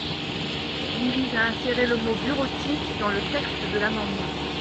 Il vise à insérer le mot « bureautique » dans le texte de l’amendement.